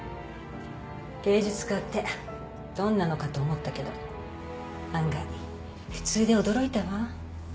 芸術家ってどんなのかと思ったけど案外普通で驚いたわ。